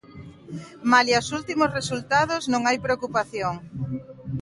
Malia os últimos resultados non hai preocupación.